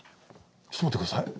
ちょっと待って下さい。